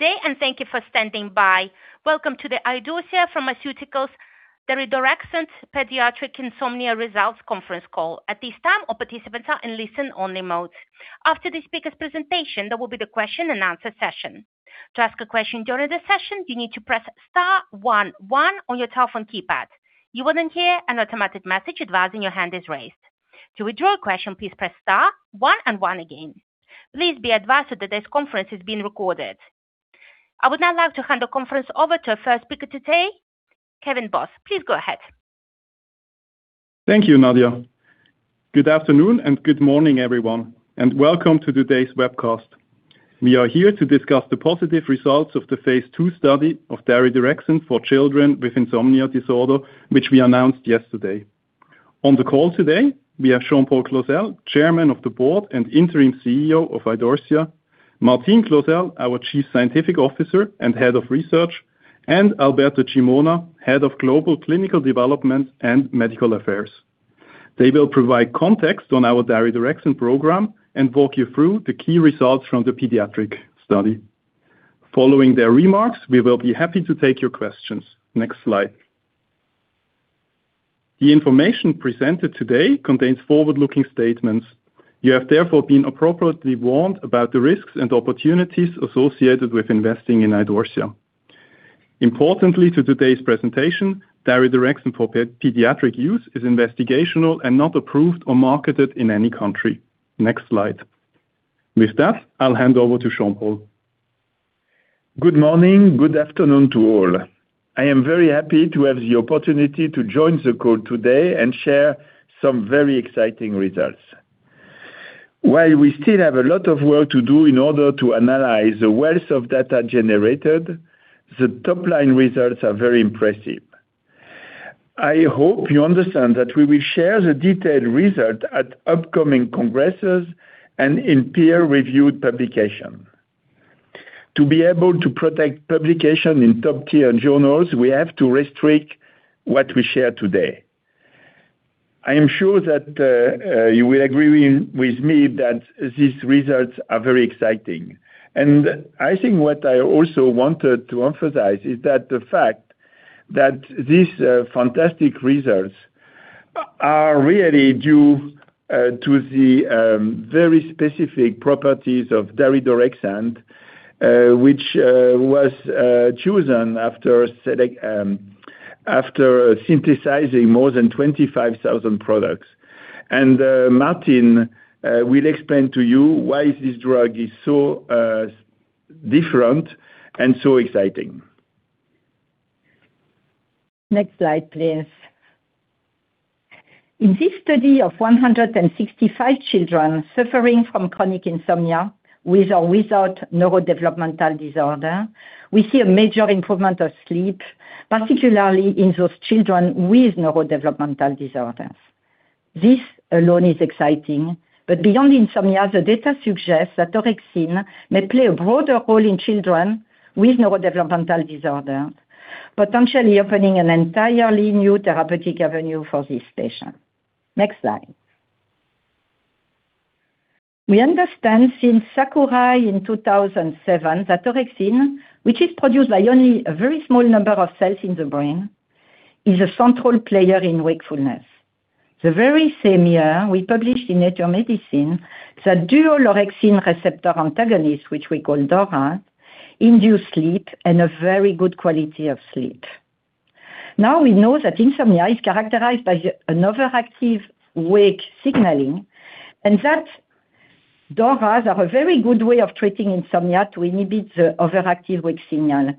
day and thank you for standing by. Welcome to the Idorsia Pharmaceuticals daridorexant pediatric insomnia results conference call. At this time, all participants are in listen-only mode. After the speaker's presentation, there will be the question and answer session. To ask a question during the session, you need to press star one one on your telephone keypad. You will then hear an automatic message advising your hand is raised. To withdraw your question, please press star one and one again. Please be advised that today's conference is being recorded. I would now like to hand the conference over to our first speaker today, Kevin Boss. Please go ahead. Thank you, Nadia. Good afternoon and good morning everyone, and welcome to today's webcast. We are here to discuss the positive results of the phase II study of daridorexant for children with insomnia disorder, which we announced yesterday. On the call today we have Jean-Paul Clozel, Chairman of the Board and Interim CEO of Idorsia, Martine Clozel, our Chief Scientific Officer and Head of Research, and Alberto Gimona, Head of Global Clinical Development and Medical Affairs. They will provide context on our daridorexant program and walk you through the key results from the pediatric study. Following their remarks, we will be happy to take your questions. Next slide. The information presented today contains forward-looking statements. You have therefore been appropriately warned about the risks and opportunities associated with investing in Idorsia. Importantly to today's presentation, daridorexant for pediatric use is investigational and not approved or marketed in any country. Next slide. With that, I'll hand over to Jean-Paul. Good morning, good afternoon to all. I am very happy to have the opportunity to join the call today and share some very exciting results. While we still have a lot of work to do in order to analyze the wealth of data generated, the top line results are very impressive. I hope you understand that we will share the detailed result at upcoming congresses and in peer-reviewed publication. To be able to protect publication in top-tier journals, we have to restrict what we share today. I am sure that you will agree with me that these results are very exciting, and I think what I also wanted to emphasize is that the fact that these fantastic results are really due to the very specific properties of daridorexant, which was chosen after synthesizing more than 25,000 products. Martine will explain to you why this drug is so different and so exciting. Next slide, please. In this study of 165 children suffering from chronic insomnia with or without neurodevelopmental disorder, we see a major improvement of sleep, particularly in those children with neurodevelopmental disorders. This alone is exciting, but beyond insomnia, the data suggests that orexin may play a broader role in children with neurodevelopmental disorder, potentially opening an entirely new therapeutic avenue for this situation. Next slide. We understand since Sakurai in 2007 that orexin, which is produced by only a very small number of cells in the brain, is a central player in wakefulness. The very same year, we published in Nature Medicine the dual orexin receptor antagonist, which we call DORA, induce sleep and a very good quality of sleep. Now we know that insomnia is characterized by an overactive wake signaling, and that DORAs are a very good way of treating insomnia to inhibit the overactive wake signal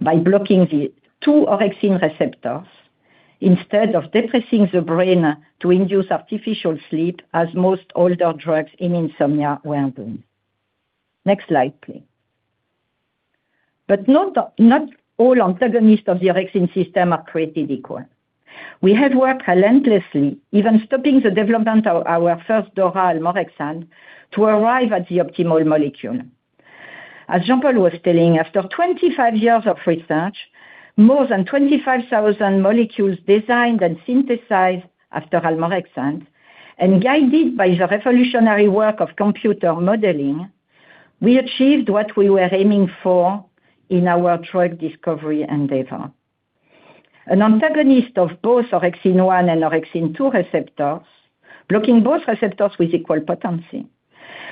by blocking the two orexin receptors instead of depressing the brain to induce artificial sleep as most older drugs in insomnia were doing. Next slide, please. Not all antagonists of the orexin system are created equal. We have worked relentlessly, even stopping the development of our first DORA, suvorexant, to arrive at the optimal molecule. As Jean-Paul was telling, after 25 years of research, more than 25,000 molecules designed and synthesized after suvorexant, and guided by the revolutionary work of computer modeling, we achieved what we were aiming for in our drug discovery endeavor. An antagonist of both orexin 1 and orexin 2 receptors, blocking both receptors with equal potency,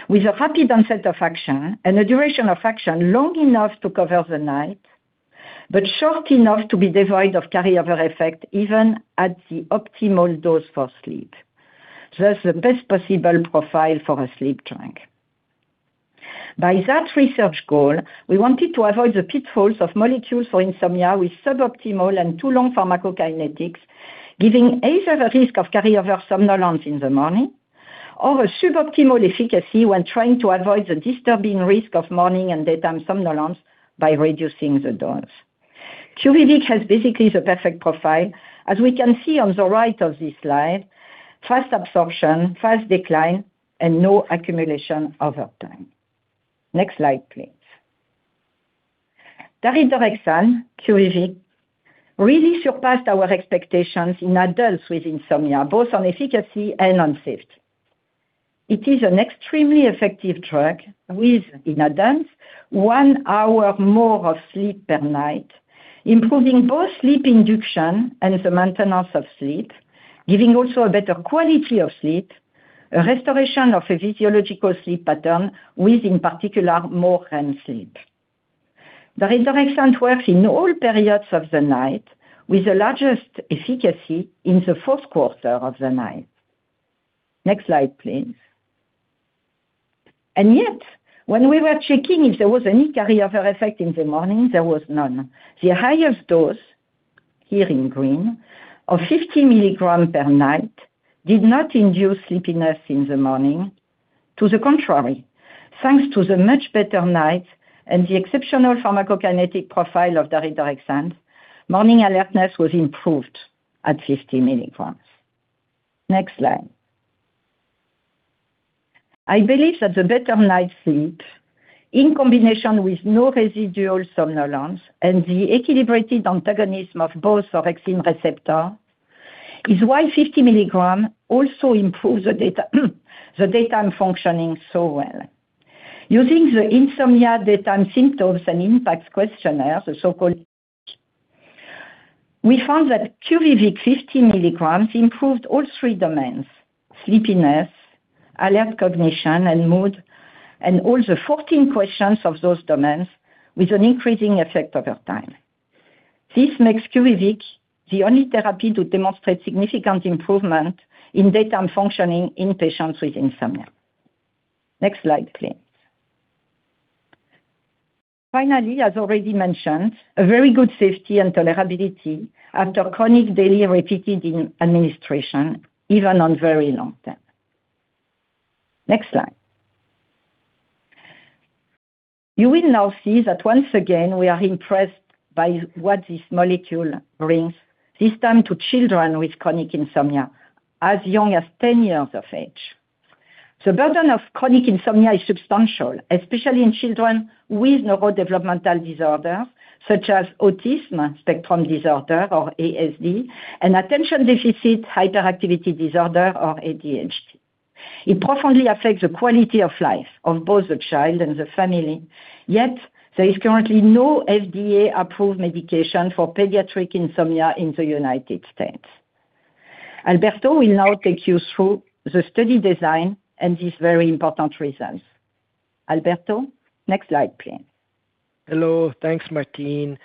with a rapid onset of action and a duration of action long enough to cover the night, but short enough to be devoid of carryover effect even at the optimal dose for sleep. Thus, the best possible profile for a sleep drug. By that research goal, we wanted to avoid the pitfalls of molecules for insomnia with suboptimal and too long pharmacokinetics, giving either the risk of carryover somnolence in the morning or a suboptimal efficacy when trying to avoid the disturbing risk of morning and daytime somnolence by reducing the dose. QUVIVIQ has basically the perfect profile, as we can see on the right of this slide. Fast absorption, fast decline, and no accumulation over time. Next slide, please. Daridorexant, QUVIVIQ, really surpassed our expectations in adults with insomnia, both on efficacy and on safety. It is an extremely effective drug with, on average, one hour more of sleep per night, improving both sleep induction and the maintenance of sleep, giving also a better quality of sleep, a restoration of a physiological sleep pattern with, in particular, more REM sleep. Daridorexant works in all periods of the night with the largest efficacy in the fourth quarter of the night. Next slide, please. Yet, when we were checking if there was any carryover effect in the morning, there was none. The highest dose, here in green, of 50 mg per night did not induce sleepiness in the morning. To the contrary, thanks to the much better night and the exceptional pharmacokinetic profile of daridorexant, morning alertness was improved at 50 mg. Next slide. I believe that the better night sleep in combination with no residual somnolence and the equilibrated antagonism of both orexin receptor is why 50 mg also improves the daytime functioning so well. Using the Insomnia Daytime Symptoms and Impacts Questionnaire, the so-called [IDSIQ], we found that QUVIVIQ 50 mgs improved all three domains, sleepiness, alert cognition, and mood, and all 14 questions of those domains with an increasing effect over time. This makes QUVIVIQ the only therapy to demonstrate significant improvement in daytime functioning in patients with insomnia. Next slide, please. Finally, as already mentioned, a very good safety and tolerability after chronic daily repeated administration, even on very long term. Next slide. You will now see that once again, we are impressed by what this molecule brings, this time to children with chronic insomnia as young as 10 years of age. The burden of chronic insomnia is substantial, especially in children with neurodevelopmental disorders such as autism spectrum disorder or ASD and attention deficit hyperactivity disorder or ADHD. It profoundly affects the quality of life of both the child and the family. Yet there is currently no FDA-approved medication for pediatric insomnia in the United States. Alberto will now take you through the study design and these very important results. Alberto, next slide, please. Hello. Thanks, Martine.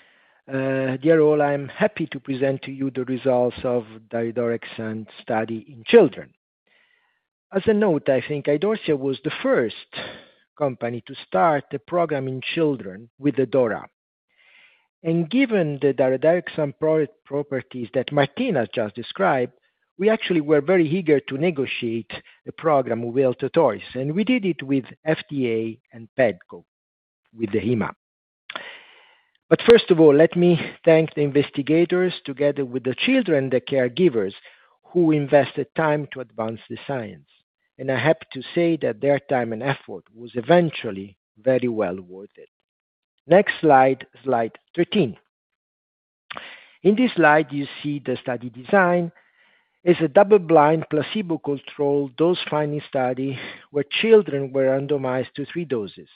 Dear all, I'm happy to present to you the results of daridorexant study in children. As a note, I think Idorsia was the first company to start a program in children with the DORA. Given the daridorexant properties that Martine has just described, we actually were very eager to negotiate the program with health authorities, and we did it with FDA and PDCO, with the EMA. First of all, let me thank the investigators, together with the children, the caregivers, who invested time to advance the science. I have to say that their time and effort was eventually very well worth it. Next slide 13. In this slide, you see the study design. It's a double-blind, placebo-controlled, dose-finding study where children were randomized to three doses.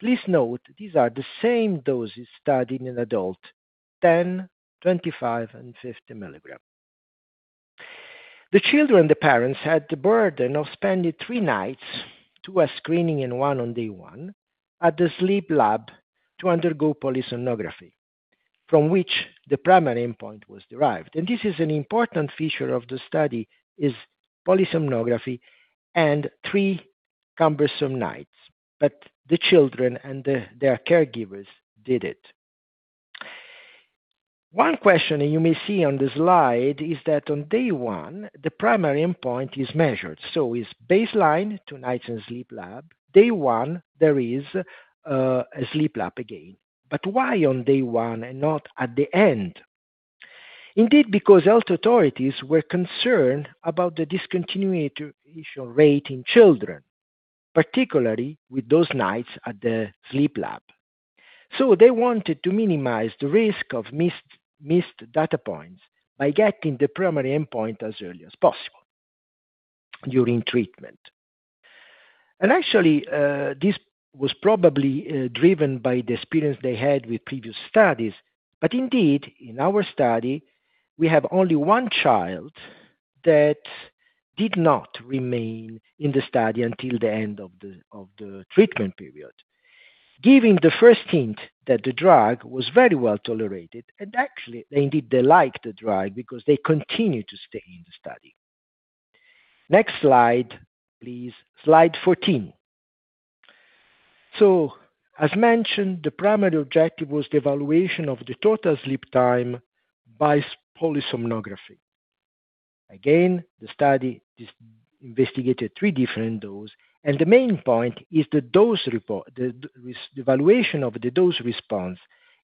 Please note, these are the same doses studied in adult: 10 mg, 25 mg, and 50 mg. The children, the parents, had the burden of spending three nights, two were screening and one on day one, at the sleep lab to undergo polysomnography, from which the primary endpoint was derived. This is an important feature of the study is polysomnography and three cumbersome nights, but the children and their caregivers did it. One question you may see on the slide is that on Day 1, the primary endpoint is measured, so is baseline, two nights in sleep lab. Day 1, there is a sleep lab again. Why on Day 1 and not at the end? Indeed, because health authorities were concerned about the discontinuation rate in children, particularly with those nights at the sleep lab. They wanted to minimize the risk of missed data points by getting the primary endpoint as early as possible during treatment. Actually, this was probably driven by the experience they had with previous studies. Indeed, in our study, we have only one child that did not remain in the study until the end of the treatment period, giving the first hint that the drug was very well tolerated, and actually, indeed, they liked the drug because they continued to stay in the study. Next slide, please. Slide 14. As mentioned, the primary objective was the evaluation of the total sleep time by polysomnography. Again, the study investigated three different doses, and the main point is the evaluation of the dose response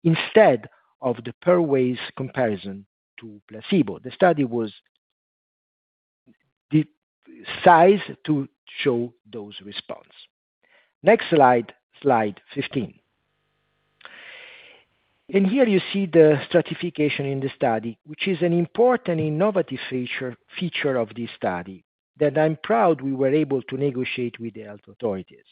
instead of the pairwise comparison to placebo. The study was sized to show dose response. Next slide 15. Here you see the stratification in the study, which is an important innovative feature of this study that I'm proud we were able to negotiate with the health authorities.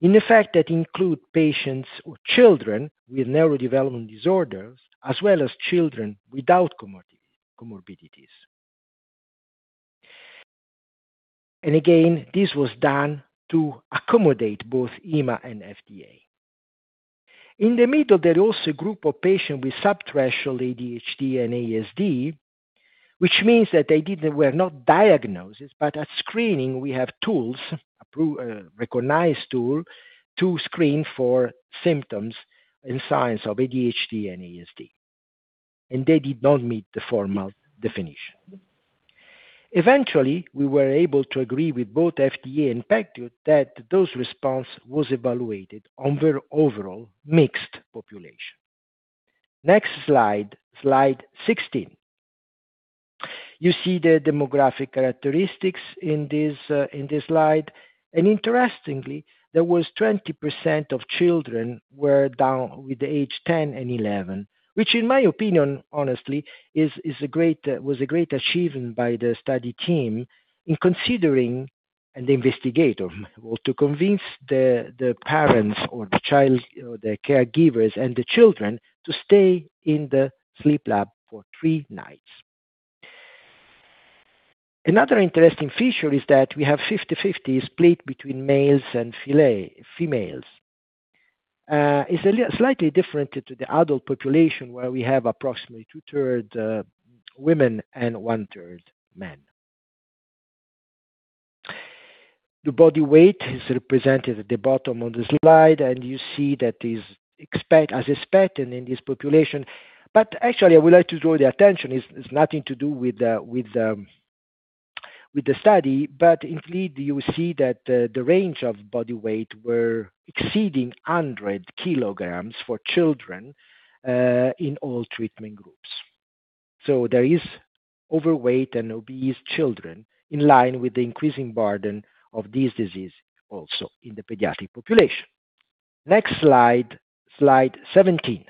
In fact, that include patients or children with neurodevelopmental disorders, as well as children without comorbidities. This was done to accommodate both EMA and FDA. In the middle, there's also a group of patients with subthreshold ADHD and ASD, which means that they were not diagnosed, but at screening we have tools, a recognized tool to screen for symptoms and signs of ADHD and ASD, and they did not meet the formal definition. Eventually, we were able to agree with both FDA and PDCO that those response was evaluated on the overall mixed population. Next slide 16. You see the demographic characteristics in this slide. Interestingly, there was 20% of children down to the ages of 10 and 11, which in my opinion, honestly is a great achievement by the study team considering an investigator had to convince the parents, the child, the caregivers and the children to stay in the sleep lab for three nights. Another interesting feature is that we have 50/50 split between males and females. It's slightly different to the adult population, where we have approximately 2/3 women and 1/3 men. The body weight is represented at the bottom of the slide, and you see that is as expected in this population. Actually I would like to draw the attention, it's nothing to do with the study, but indeed you see that the range of body weight were exceeding 100 kg for children in all treatment groups. So there is overweight and obese children in line with the increasing burden of this disease, also in the pediatric population. Next slide 17.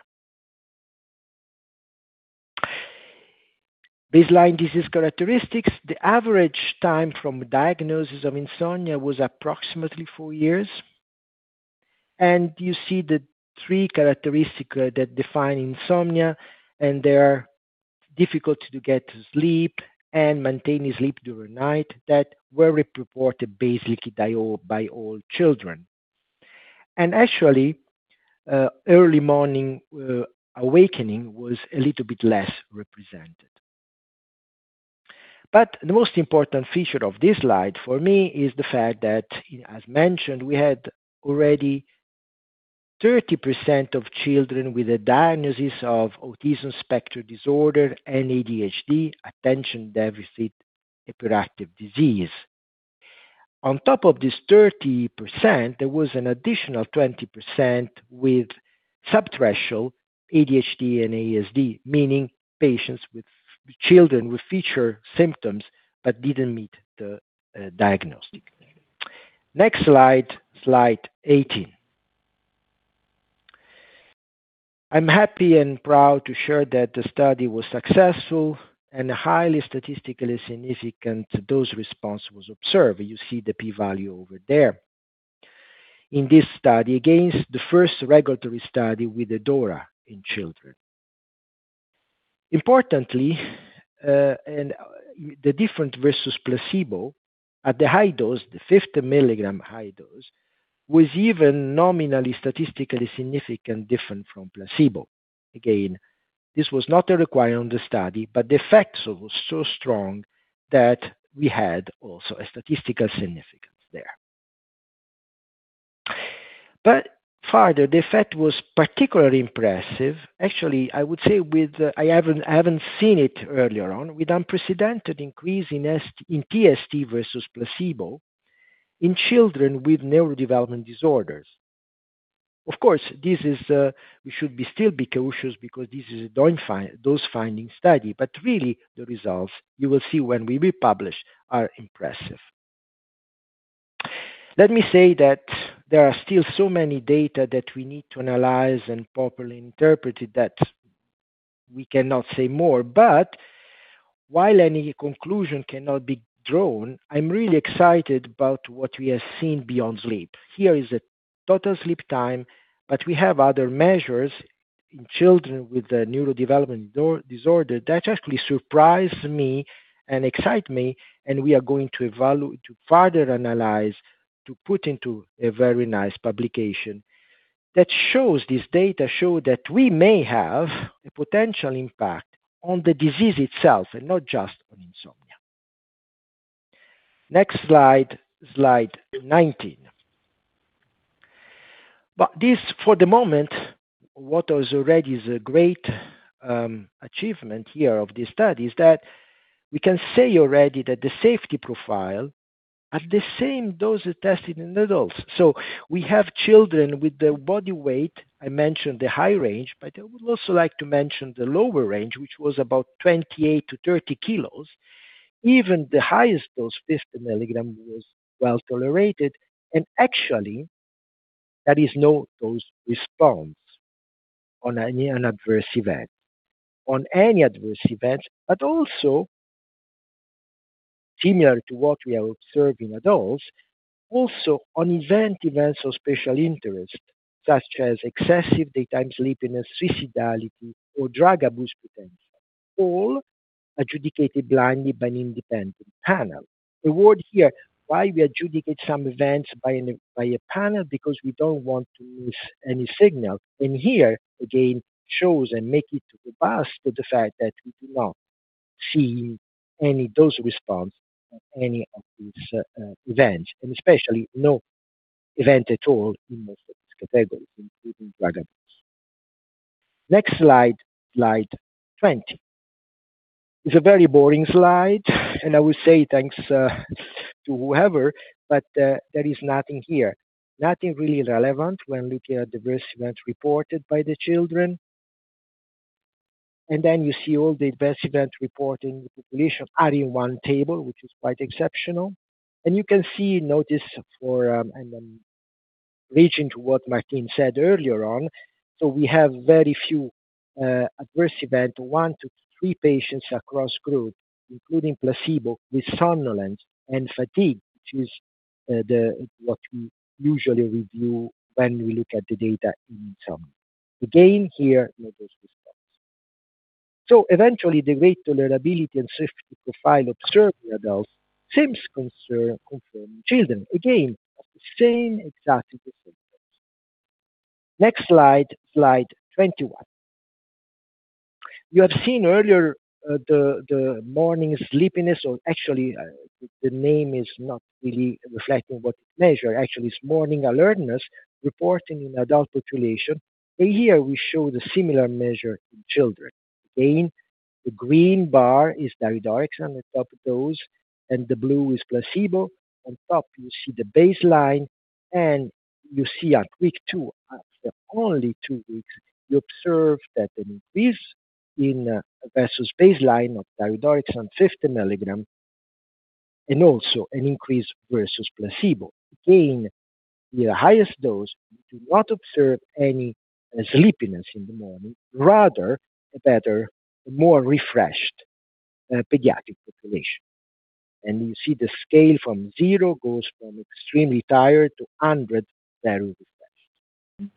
Baseline disease characteristics. The average time from diagnosis of insomnia was approximately four years. You see the three characteristic that define insomnia, and they are difficult to get to sleep and maintaining sleep during night that were reported basically by all children. Actually, early morning awakening was a little bit less represented. The most important feature of this slide for me is the fact that, as mentioned, we had already 30% of children with a diagnosis of autism spectrum disorder and ADHD, attention deficit hyperactivity disorder. On top of this 30%, there was an additional 20% with subthreshold ADHD and ASD, meaning children with feature symptoms but didn't meet the diagnostic. Next slide 18. I'm happy and proud to share that the study was successful and highly statistically significant. The response was observed. You see the p-value over there. In this study, again, it's the first regulatory study with DORA in children. Importantly, the difference versus placebo at the high dose, the 50 mg high dose, was even nominally statistically significant different from placebo. Again, this was not a requirement of the study, but the effects was so strong that we had also a statistical significance there. Further, the effect was particularly impressive. Actually, I would say I haven't seen it earlier on, with unprecedented increase in TST versus placebo in children with neurodevelopmental disorders. Of course, this is, we should still be cautious because this is a dose-finding study. Really the results you will see when we republish are impressive. Let me say that there are still so many data that we need to analyze and properly interpreted that we cannot say more. While any conclusion cannot be drawn, I'm really excited about what we have seen beyond sleep. Here is a total sleep time, but we have other measures in children with neurodevelopmental disorder that actually surprise me and excite me, and we are going to further analyze, to put into a very nice publication that shows this data, show that we may have a potential impact on the disease itself and not just on insomnia. Next slide 19. This, for the moment, what already is a great achievement here of this study is that we can say already that the safety profile at the same dose tested in adults. We have children with the body weight, I mentioned the high range, but I would also like to mention the lower range, which was about 28kg-30 kg. Even the highest dose, 50 mg, was well-tolerated. Actually, there is no dose-response on any adverse event. On any adverse events, but also similar to what we are observing in adults, also on events of special interest, such as excessive daytime sleepiness, suicidality, or drug abuse potential, all adjudicated blindly by an independent panel. The point here, why we adjudicate some events by a panel, because we don't want to miss any signal. Here again, it shows and makes it robust to the fact that we do not see any dose-response on any of these events, and especially no event at all in most of these categories, including drug abuse. Next slide 20. It's a very boring slide, and I will say thanks to whoever, but there is nothing here. Nothing really relevant when looking at the adverse event reported by the children. You see all the adverse event reporting population are in one table, which is quite exceptional. I'm referring to what Martine said earlier on. We have very few adverse event, one to three patients across group, including placebo with somnolence and fatigue, which is what we usually review when we look at the data in summary. Again, here, no dose-response. Eventually, the great tolerability and safety profile observed in adults seems confirming children. Again, of the same exact adverse events. Next slide 21. You have seen earlier the morning sleepiness or actually the name is not really reflecting what is measured. Actually, it's morning alertness reporting in adult population. Here we show the similar measure in children. Again, the green bar is daridorexant on the top of dose, and the blue is placebo. On top you see the baseline, and you see at Week 2, after only two weeks, you observe that an increase in versus baseline of daridorexant 50 mg and also an increase versus placebo. Again, the highest dose, we do not observe any sleepiness in the morning, rather a better, more refreshed pediatric population. You see the scale from zero goes from extremely tired to 100, very refreshed.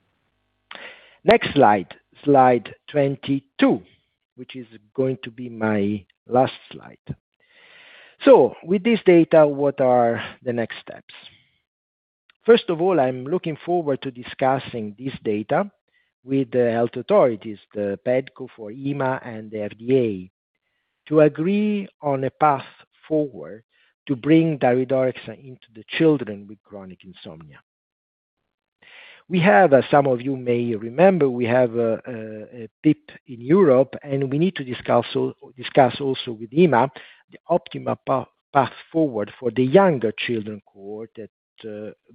Next slide 22, which is going to be my last slide. With this data, what are the next steps? First of all, I'm looking forward to discussing this data with the health authorities, the PDCO for EMA and the FDA, to agree on a path forward to bring daridorexant into the children with chronic insomnia. We have, as some of you may remember, a PIP in Europe, and we need to discuss also with EMA the optimal path forward for the younger children cohort at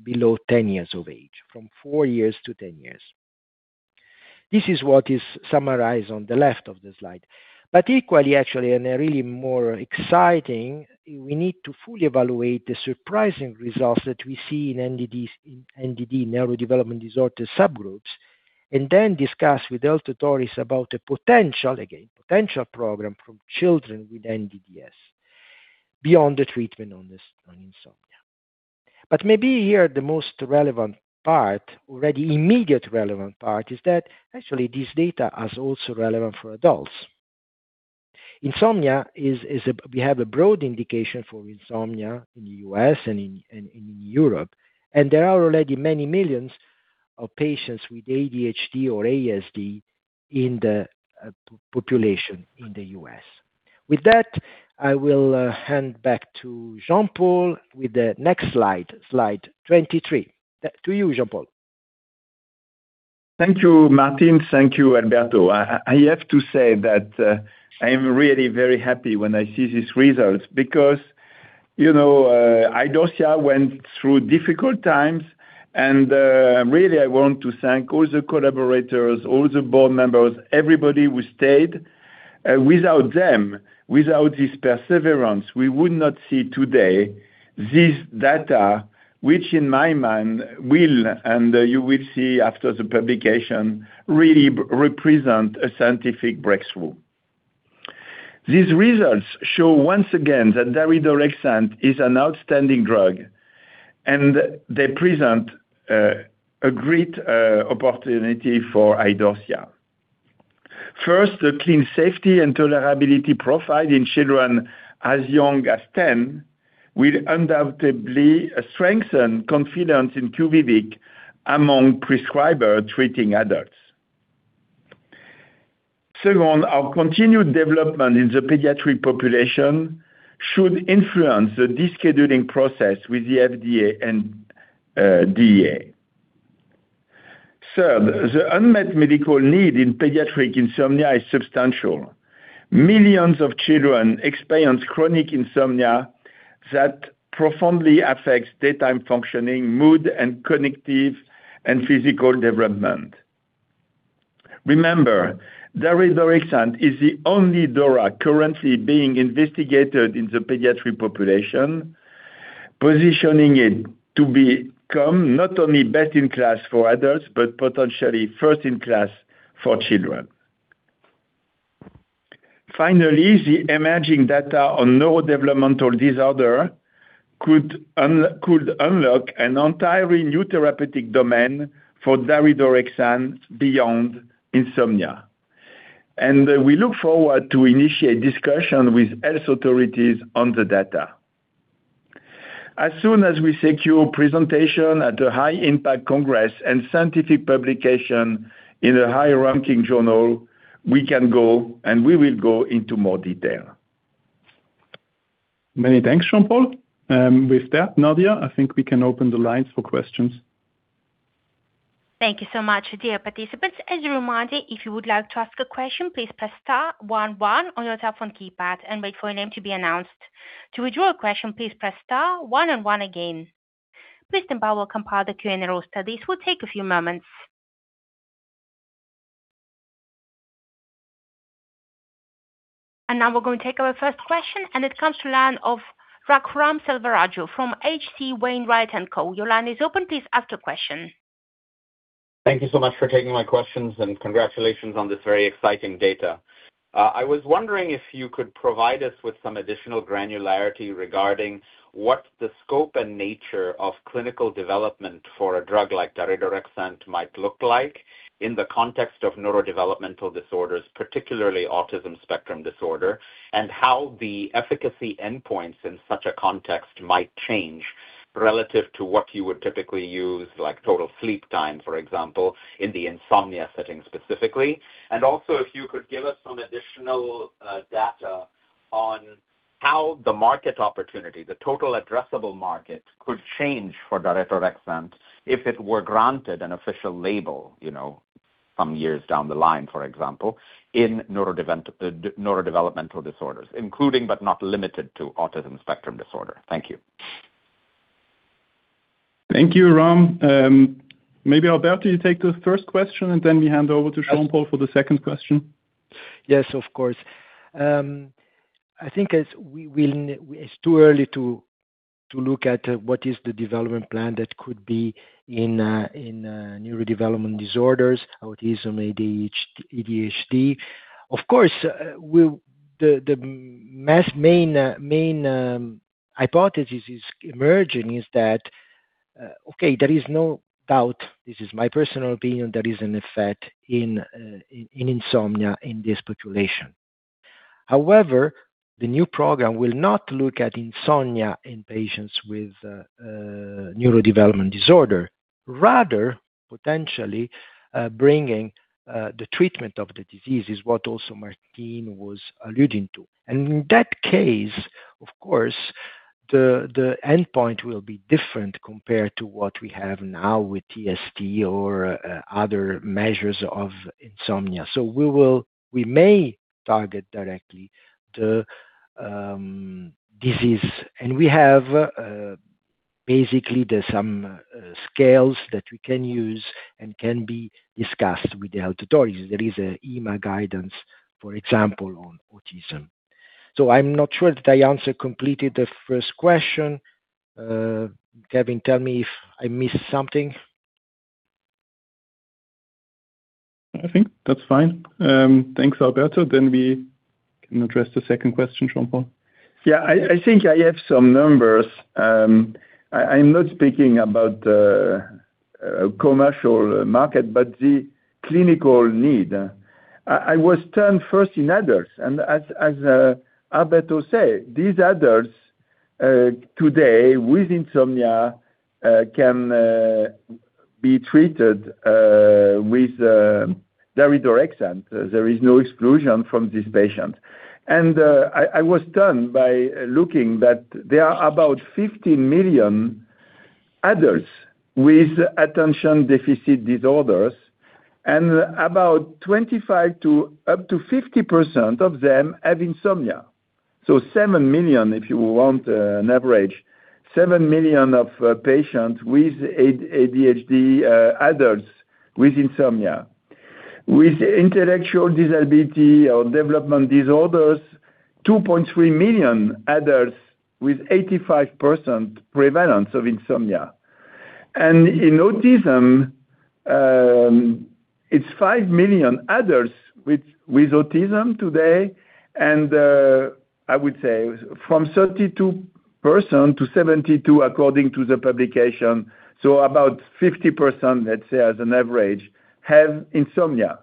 below 10 years of age, from four years to 10 years. This is what is summarized on the left of the slide. Equally, actually, and really more exciting, we need to fully evaluate the surprising results that we see in NDD, neurodevelopmental disorder subgroups, and then discuss with health authorities about a potential program for children with NDDs beyond the treatment on insomnia. Maybe here, the most relevant part, already immediately relevant part, is that actually this data is also relevant for adults. Insomnia is. We have a broad indication for insomnia in the U.S. and in Europe, and there are already many millions of patients with ADHD or ASD in the population in the U.S. With that, I will hand back to Jean-Paul with the next slide 23. To you, Jean-Paul. Thank you, Martine. Thank you, Alberto. I have to say that I am really very happy when I see these results because, you know, Idorsia went through difficult times and really I want to thank all the collaborators, all the Board Members, everybody who stayed. Without them, without this perseverance, we would not see today this data, which in my mind will and you will see after the publication really represent a scientific breakthrough. These results show once again that daridorexant is an outstanding drug, and they present a great opportunity for Idorsia. First, the clean safety and tolerability profile in children as young as 10 will undoubtedly strengthen confidence in QUVIVIQ among prescribers treating adults. Second, our continued development in the pediatric population should influence the descheduling process with the FDA and DEA. Third, the unmet medical need in pediatric insomnia is substantial. Millions of children experience chronic insomnia that profoundly affects daytime functioning, mood and cognitive and physical development. Remember, daridorexant is the only DORA currently being investigated in the pediatric population, positioning it to become not only best-in-class for adults, but potentially first-in-class for children. Finally, the emerging data on neurodevelopmental disorder could unlock an entirely new therapeutic domain for daridorexant beyond insomnia. We look forward to initiate discussion with health authorities on the data. As soon as we secure presentation at a high impact congress and scientific publication in a high-ranking journal, we can go, and we will go into more detail. Many thanks, Jean-Paul. With that, Nadia, I think we can open the lines for questions. Thank you so much, dear participants. As a reminder, if you would like to ask a question, please press star one one on your telephone keypad and wait for your name to be announced. To withdraw a question, please press star one and one again. Please stand by while we compile the Q&A roster. This will take a few moments. Now we're gonna take our first question, and it comes to the line of Raghuram Selvaraju from H.C. Wainwright & Co. Your line is open. Please ask your question. Thank you so much for taking my questions, and congratulations on this very exciting data. I was wondering if you could provide us with some additional granularity regarding what the scope and nature of clinical development for a drug like daridorexant might look like in the context of neurodevelopmental disorders, particularly autism spectrum disorder, and how the efficacy endpoints in such a context might change relative to what you would typically use, like total sleep time, for example, in the insomnia setting specifically. Also, if you could give us some additional data on how the market opportunity, the total addressable market could change for daridorexant if it were granted an official label, you know, some years down the line, for example, in neurodevelopmental disorders, including but not limited to autism spectrum disorder. Thank you. Thank you, Ram. Maybe, Alberto, you take the first question, and then we hand over to Jean-Paul for the second question. Yes, of course. I think it's too early to look at what is the development plan that could be in neurodevelopmental disorders, autism, ADHD. Of course, the main hypothesis is emerging is that, okay, there is no doubt, this is my personal opinion, there is an effect in insomnia in this population. However, the new program will not look at insomnia in patients with neurodevelopmental disorder, rather potentially bringing the treatment of the disease is what also Martine was alluding to. In that case, of course, the endpoint will be different compared to what we have now with TST or other measures of insomnia. We may target directly the disease. We have basically there's some scales that we can use and can be discussed with the health authorities. There is an EMA guidance, for example, on autism. I'm not sure that I answered completely the first question. Kevin, tell me if I missed something. I think that's fine. Thanks, Alberto. We can address the second question, Jean-Paul. Yeah. I think I have some numbers. I'm not speaking about commercial market, but the clinical need. I was trained first in adults. As Alberto said, these adults today with insomnia can be treated with daridorexant. There is no exclusion for these patients. I was stunned to learn that there are about 50 million adults with attention deficit disorders, and about 25%-50% of them have insomnia. 7 million, if you want, an average, of patients with ADHD, adults with insomnia. With intellectual disability or developmental disorders, 2.3 million adults with 85% prevalence of insomnia. In autism, it's 5 million adults with autism today, and I would say from 32%-72% according to the publication, so about 50%, let's say as an average, have insomnia.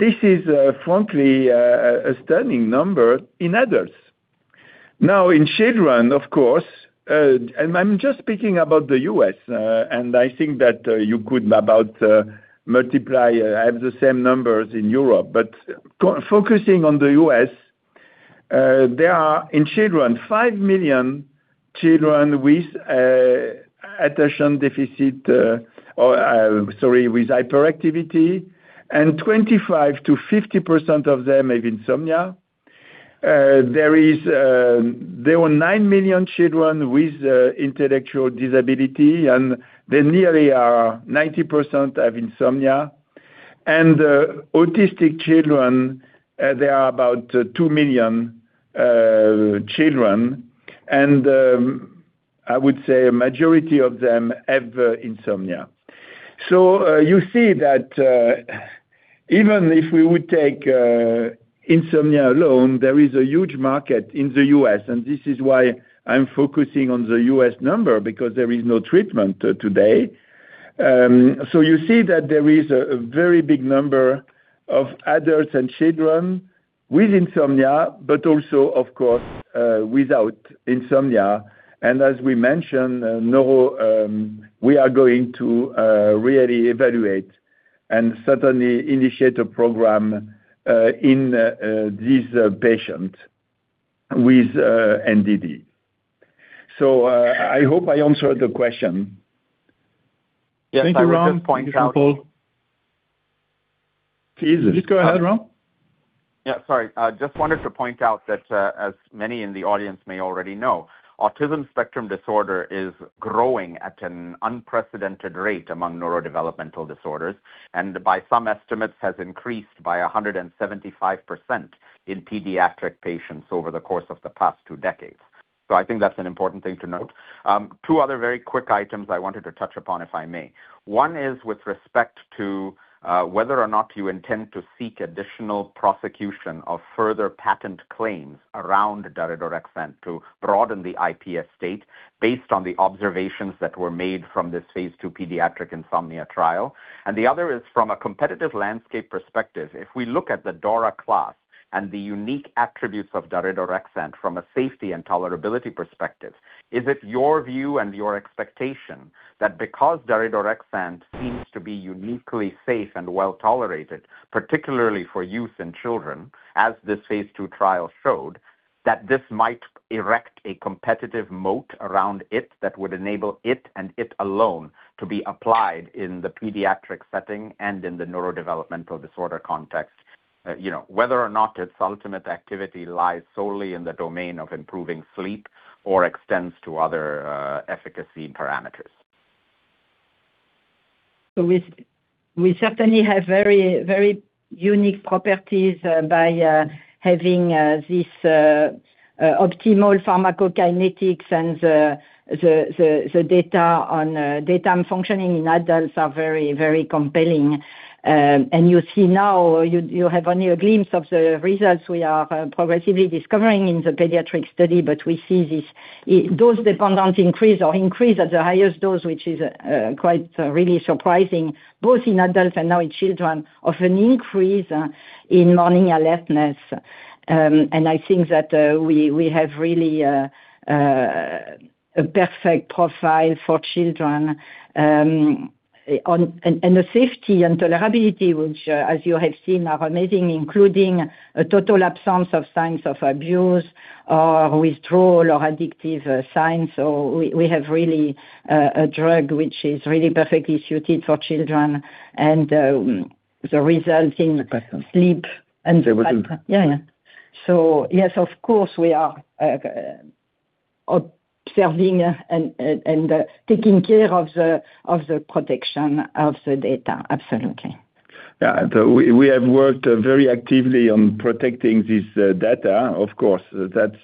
This is frankly a stunning number in adults. Now, in children, of course, and I'm just speaking about the U.S., and I think that you could about multiply. I have the same numbers in Europe. Focusing on the U.S., there are in children, 5 million children with hyperactivity, and 25%-50% of them have insomnia. There were 9 million children with intellectual disability, and they nearly are 90% have insomnia. Autistic children, there are about 2 million children, and I would say a majority of them have insomnia. You see that even if we would take insomnia alone, there is a huge market in the U.S., and this is why I'm focusing on the U.S. number, because there is no treatment today. You see that there is a very big number of adults and children with insomnia, but also, of course, without insomnia. As we mentioned, we are going to really evaluate and certainly initiate a program in these patients with NDD. I hope I answered the question. Yes. I would just point out. Thank you, Ram. Thank you, Paul. Please. Just go ahead, Ram. Yeah, sorry. I just wanted to point out that, as many in the audience may already know, autism spectrum disorder is growing at an unprecedented rate among neurodevelopmental disorders, and by some estimates has increased by 175% in pediatric patients over the course of the past two decades. I think that's an important thing to note. Two other very quick items I wanted to touch upon, if I may. One is with respect to whether or not you intend to seek additional prosecution of further patent claims around daridorexant to broaden the IP estate based on the observations that were made from this phase II pediatric insomnia trial. The other is from a competitive landscape perspective. If we look at the DORA class and the unique attributes of daridorexant from a safety and tolerability perspective, is it your view and your expectation that because daridorexant seems to be uniquely safe and well-tolerated, particularly for youth and children, as this phase II trial showed, that this might erect a competitive moat around it that would enable it and it alone to be applied in the pediatric setting and in the neurodevelopmental disorder context? You know, whether or not its ultimate activity lies solely in the domain of improving sleep or extends to other efficacy parameters. We certainly have very, very unique properties by having this optimal pharmacokinetics and the data on daytime functioning in adults are very, very compelling. You see now you have only a glimpse of the results we are progressively discovering in the pediatric study, but we see this dose-dependent increase at the highest dose, which is quite really surprising, both in adults and now in children, of an increase in morning alertness. I think that we have really a perfect profile for children, on... The safety and tolerability, which as you have seen, are amazing, including a total absence of signs of abuse or withdrawal or addictive signs. We have really a drug which is really perfectly suited for children and the result in sleep. Yeah, yeah. Yes, of course, we are observing and taking care of the protection of the data. Absolutely. Yeah. So we have worked very actively on protecting this data. Of course, that's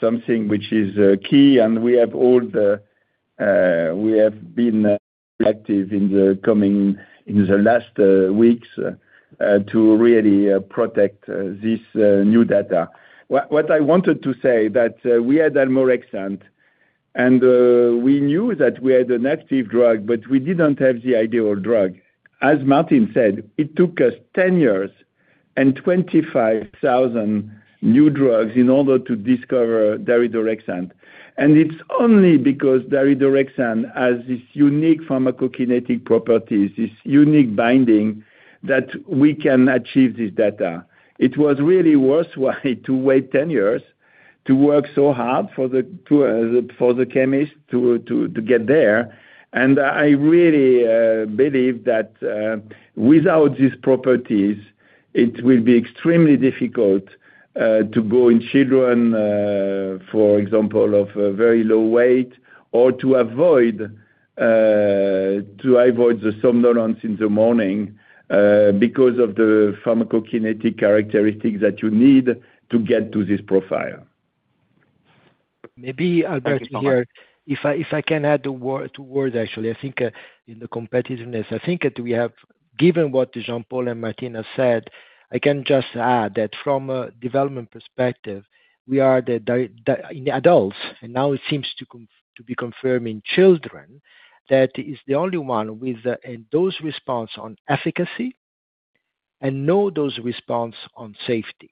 something which is key, and we have been active in the last weeks to really protect this new data. What I wanted to say that we had almorexant and we knew that we had an active drug, but we didn't have the ideal drug. As Martine said, it took us 10 years and 25,000 new drugs in order to discover daridorexant. It's only because daridorexant has this unique pharmacokinetic properties, this unique binding that we can achieve this data. It was really worthwhile to wait 10 years to work so hard for the chemist to get there. I really believe that without these properties, it will be extremely difficult to go in children, for example, of a very low weight or to avoid the somnolence in the morning because of the pharmacokinetic characteristics that you need to get to this profile. Maybe, Alberto here. Thank you so much. If I can add a word, two words actually. I think in the competitiveness, I think that we have given what Jean-Paul and Martine have said, I can just add that from a development perspective, we are the DORA in adults, and now it seems to be confirmed in children, that is the only one with a dose-response on efficacy and no dose-response on safety.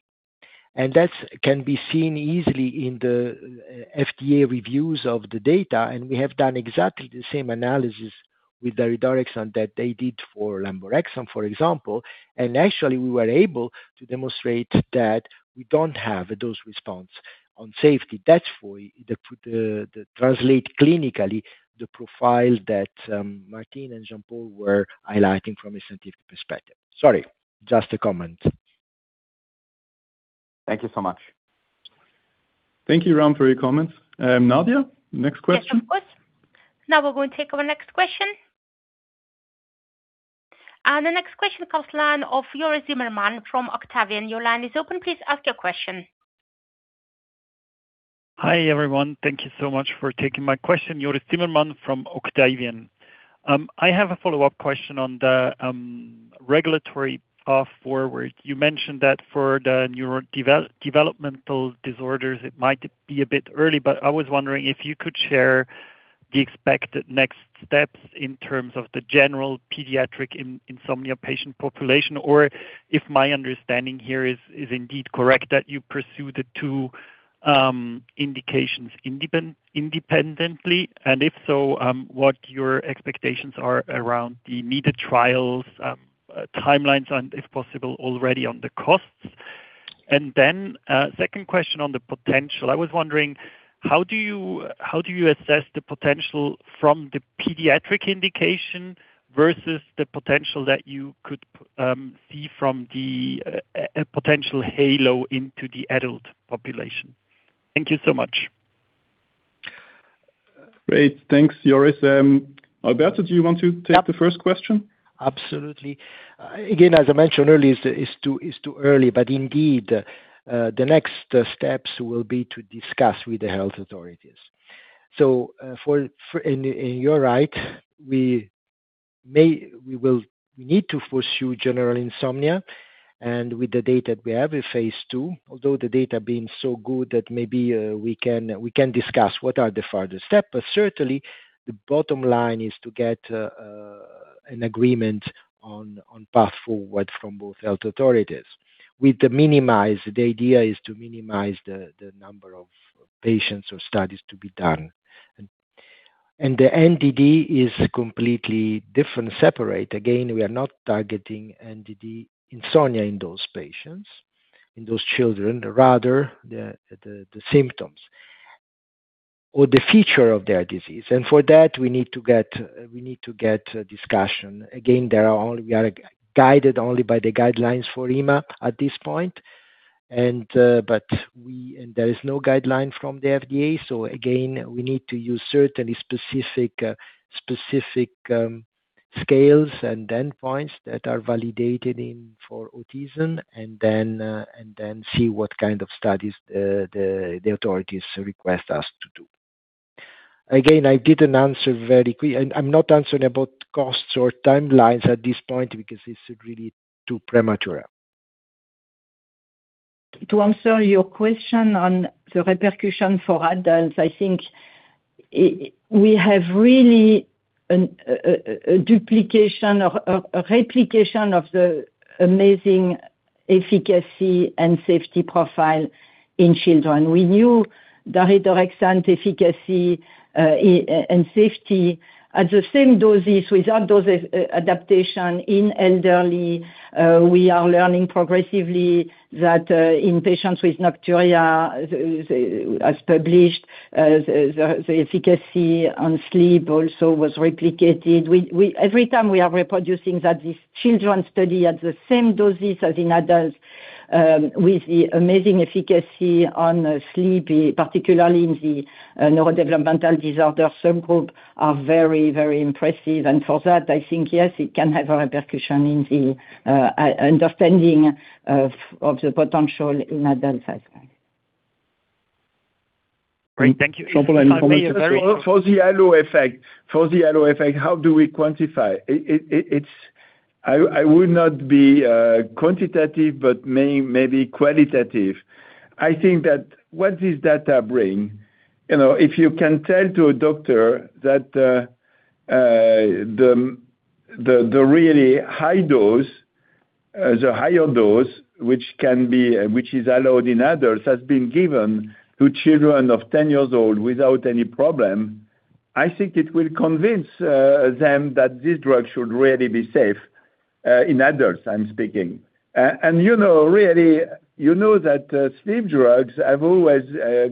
That can be seen easily in the FDA reviews of the data, and we have done exactly the same analysis with daridorexant that they did for lemborexant, for example. Actually, we were able to demonstrate that we don't have a dose-response on safety. That's to translate clinically the profile that Martine and Jean-Paul were highlighting from a scientific perspective. Sorry. Just a comment. Thank you so much. Thank you, Ram, for your comments. Nadia, next question. Yes, of course. Now we're going to take our next question. The next question comes from the line of Joris Zimmermann from Octavian. Your line is open. Please ask your question. Hi, everyone. Thank you so much for taking my question. Joris Zimmermann from Octavian. I have a follow-up question on the regulatory path forward. You mentioned that for the neurodevelopmental disorders, it might be a bit early, but I was wondering if you could share the expected next steps in terms of the general pediatric insomnia patient population, or if my understanding here is indeed correct that you pursue the two indications independently, and if so, what your expectations are around the needed trials, timelines and, if possible, already on the costs. Second question on the potential. I was wondering, how do you assess the potential from the pediatric indication versus the potential that you could see from a potential halo into the adult population? Thank you so much. Great. Thanks, Joris. Alberto, do you want to take the first question? Absolutely. Again, as I mentioned earlier, it's too early, but indeed, the next steps will be to discuss with the health authorities. You're right, we need to pursue general insomnia with the data we have in phase II, although the data being so good that maybe, we can discuss what are the further steps. Certainly the bottom line is to get an agreement on path forward from both health authorities. The idea is to minimize the number of patients or studies to be done. The NDD is completely different, separate. Again, we are not targeting NDD insomnia in those patients, in those children, rather the symptoms or the future of their disease. For that, we need to get a discussion. Again, we are guided only by the guidelines for EMA at this point. There is no guideline from the FDA. Again, we need to use certainly specific scales and then points that are validated in for autism and then see what kind of studies the authorities request us to do. Again, I didn't answer very clear, and I'm not answering about costs or timelines at this point because it's really too premature. To answer your question on the repercussion for adults, I think we have really a duplication or a replication of the amazing efficacy and safety profile in children. We knew daridorexant efficacy in elderly and safety at the same doses without dosage adaptation in elderly. We are learning progressively that in patients with nocturia, as published, the efficacy on sleep also was replicated. Every time we are reproducing in this children's study at the same doses as in adults with the amazing efficacy on sleep, particularly in the neurodevelopmental disorder subgroup, are very impressive. For that, I think yes, it can have a repercussion in the understanding of the potential in adult insomnia. Great. Thank you. Jean-Paul, anything to add? For the halo effect, how do we quantify? I would not be quantitative, but maybe qualitative. I think that what this data bring, you know, if you can tell to a doctor that the really high dose, the higher dose, which is allowed in adults, has been given to children 10 years old without any problem, I think it will convince them that this drug should really be safe in adults, I'm speaking. You know, really, you know that sleep drugs have always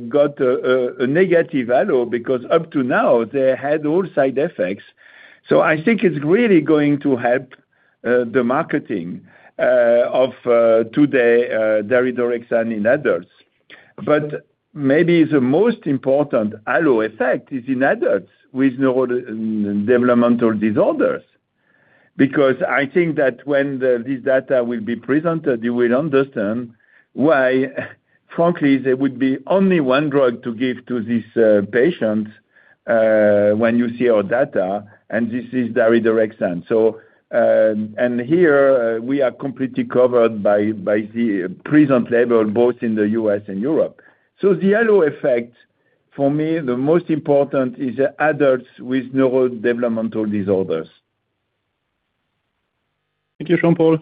got a negative halo because up to now they had all side effects. I think it's really going to help the marketing of daridorexant today in adults. Maybe the most important halo effect is in adults with neurodevelopmental disorders. Because I think that when this data will be presented, you will understand why, frankly, there would be only one drug to give to these patients, when you see our data, and this is daridorexant. Here we are completely covered by the present label both in the U.S. and Europe. The halo effect for me, the most important is adults with neurodevelopmental disorders. Thank you, Jean-Paul.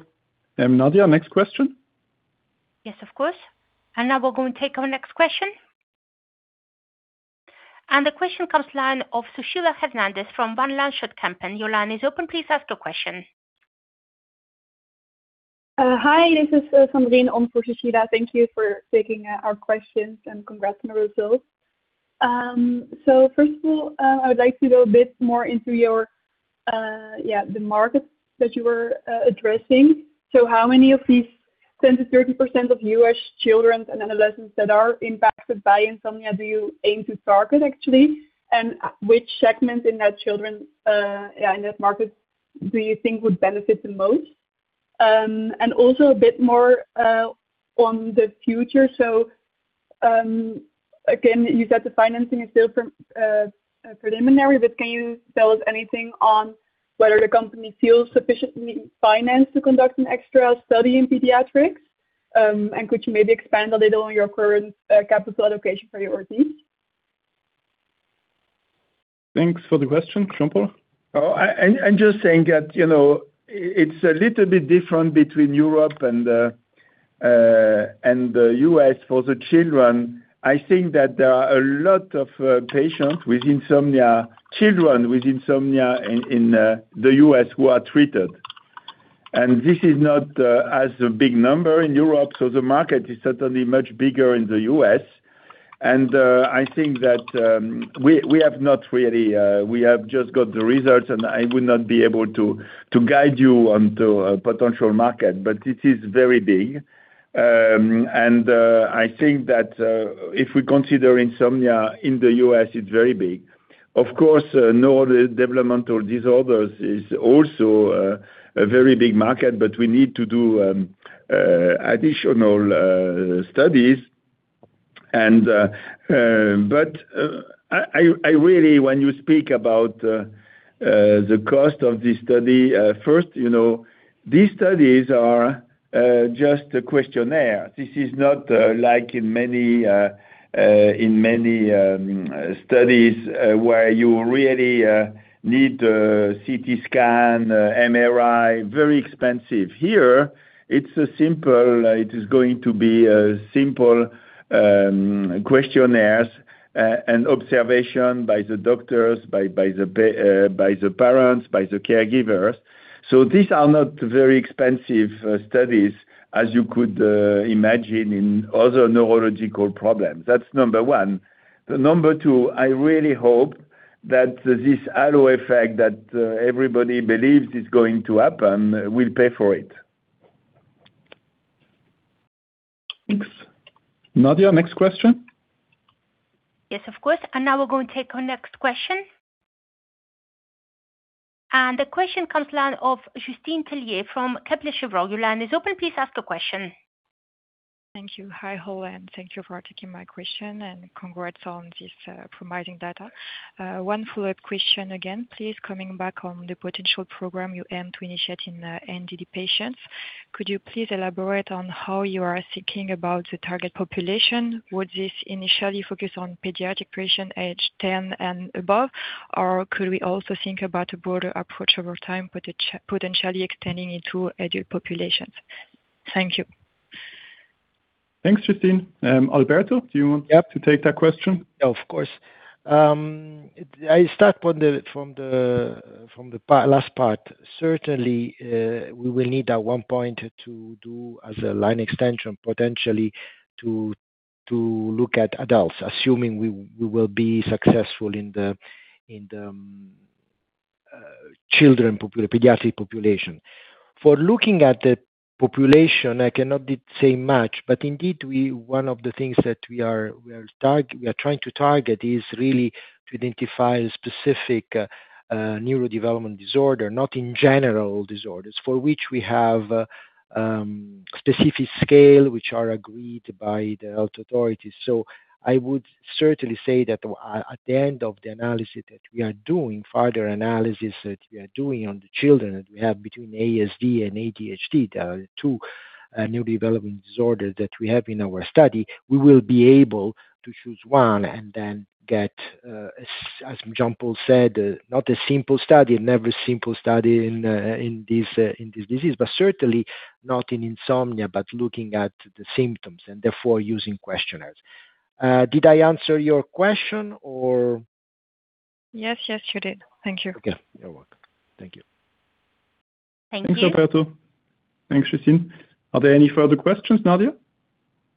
Nadia, next question. Yes, of course. Now we're going to take our next question. The question comes from the line of Sushila Hernandez from Van Lanschot Kempen. Your line is open. Please ask your question. Hi. This is Sandrine on for Sushila. Thank you for taking our questions, and congrats on the results. First of all, I would like to go a bit more into your target markets that you were addressing. How many of these 10%-30% of U.S. children and adolescents that are impacted by insomnia do you aim to target actually? And which segment in that children in that market do you think would benefit the most? And also a bit more on the future. Again, you said the financing is still preliminary, but can you tell us anything on whether the company feels sufficiently financed to conduct an extra study in pediatrics? And could you maybe expand a little on your current capital allocation priority? Thanks for the question. Jean-Paul? Oh, I'm just saying that, you know, it's a little bit different between Europe and the U.S. for the children. I think that there are a lot of patients with insomnia, children with insomnia in the U.S. who are treated. This is not as a big number in Europe, so the market is certainly much bigger in the U.S. I think that we have just got the results, and I would not be able to guide you onto a potential market. But this is very big, and I think that if we consider insomnia in the U.S., it's very big. Of course, neurodevelopmental disorders is also a very big market, but we need to do additional studies. I really, when you speak about the cost of this study, first, you know, these studies are just a questionnaire. This is not like in many studies where you really need a CT scan, an MRI, very expensive. Here, it is going to be a simple questionnaire and observation by the doctors, by the parents, by the caregivers. These are not very expensive studies as you could imagine in other neurological problems. That's number one. The number two, I really hope that this halo effect that everybody believes is going to happen will pay for it. Thanks. Nadia, next question. Yes, of course. Now we're going to take our next question. The question comes from the line of Justine Tellier from Kepler Cheuvreux. Your line is open, please ask the question. Thank you. Hi, all, and thank you for taking my question, and congrats on this promising data. One follow-up question again, please. Coming back on the potential program you aim to initiate in NDD patients. Could you please elaborate on how you are thinking about the target population? Would this initially focus on pediatric patient aged 10 and above, or could we also think about a broader approach over time, potentially extending into adult populations? Thank you. Thanks, Justine. Alberto, do you want- Yep. to take that question? Yeah, of course. I start from the last part. Certainly, we will need at one point to do a line extension, potentially to look at adults, assuming we will be successful in the pediatric population. For looking at the population, I cannot say much, but indeed one of the things that we are trying to target is really to identify a specific neurodevelopmental disorder, not in general disorders, for which we have specific scale which are agreed by the health authorities. I would certainly say that at the end of the analysis that we are doing, further analysis that we are doing on the children that we have between ASD and ADHD, the two neurodevelopmental disorders that we have in our study, we will be able to choose one and then, as Jean-Paul said, not a simple study, never a simple study in this disease, but certainly not in insomnia, but looking at the symptoms and therefore using questionnaires. Did I answer your question or? Yes. Yes, you did. Thank you. Okay. You're welcome. Thank you. Thank you. Thanks, Alberto. Thanks, Justine. Are there any further questions, Nadia?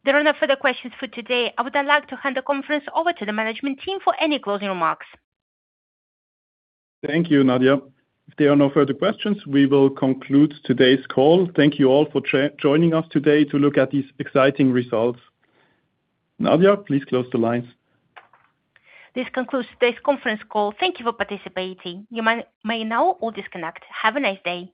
There are no further questions for today. I would now like to hand the conference over to the management team for any closing remarks. Thank you, Nadia. If there are no further questions, we will conclude today's call. Thank you all for joining us today to look at these exciting results. Nadia, please close the lines. This concludes today's conference call. Thank you for participating. You may now all disconnect. Have a nice day.